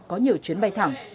có nhiều chuyến bay thẳng